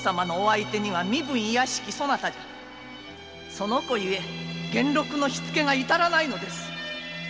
その子ゆえ源六のしつけがいたらぬのです